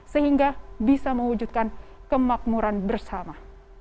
sehingga bisa mewujudkan kemakmuran bersama